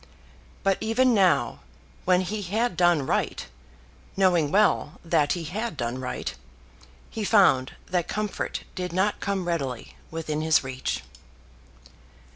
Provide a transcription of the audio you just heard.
But even now, when he had done right, knowing well that he had done right, he found that comfort did not come readily within his reach.